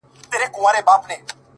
صدقه دي سم تر تكــو تــورو سترگو!!